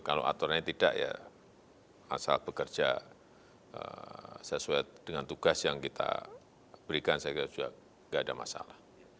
kalau aturannya tidak ya asal bekerja sesuai dengan tugas yang kita berikan saya kira juga nggak ada masalah